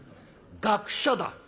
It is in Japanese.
学者だ。